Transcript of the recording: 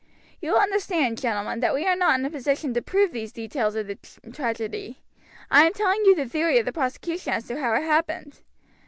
You will understand, gentlemen, that we are not in a position to prove these details of the tragedy. I am telling you the theory of the prosecution as to how it happened.